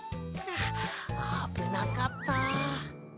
はああぶなかった。